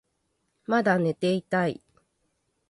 まだ寝ていたい